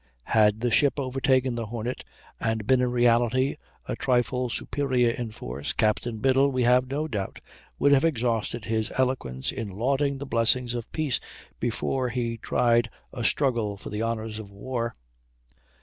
Had the ship overtaken the Hornet and been in reality a trifle superior in force, Captain Biddle, we have no doubt, would have exhausted his eloquence in lauding the blessings of peace before he tried a struggle for the honors of war."